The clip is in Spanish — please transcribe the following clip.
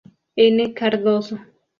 N. Cardozo.